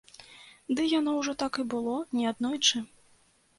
Ды яно ўжо так і было неаднойчы.